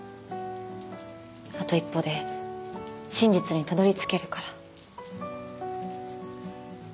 あと一歩で真実にたどりつけるから。